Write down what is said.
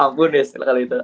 ampun ya setelah kali itu